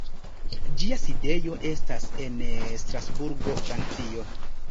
Ĝia sidejo estas en Strasburgo, Francio.